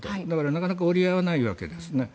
だから、なかなか折り合わないわけです。